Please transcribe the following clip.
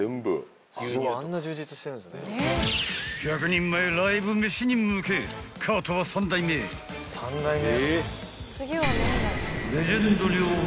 ［１００人前ライブ飯に向けカートは３台目へ］